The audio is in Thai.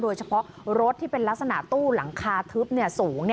โดยเฉพาะรถที่เป็นลักษณะตู้หลังคาทึบสูง